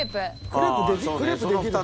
クレープできるの？